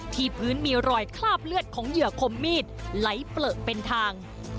พื้นมีรอยคราบเลือดของเหยื่อคมมีดไหลเปลือเป็นทาง